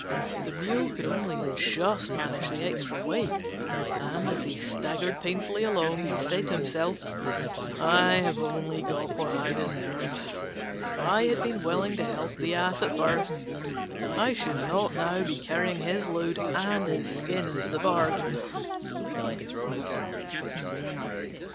The Mule could only just manage the extra weight, and, as he staggered painfully along, he said to himself, "I have only got what I deserved: if I had been willing to help the Ass at first, I should not now be carrying his load and his skin into the bargain."